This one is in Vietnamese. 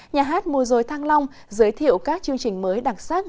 nhà hát mô rối thăng long giới thiệu các chương trình mới đặc sắc